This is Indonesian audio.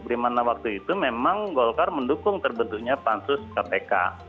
dimana waktu itu memang golkar mendukung terbentuknya pansus kpk